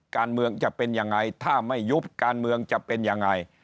การเมืองจะเป็นยังไงถ้าไม่ยุบการเมืองจะเป็นยังไง